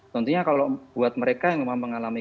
tentunya kalau buat mereka yang memang mengalami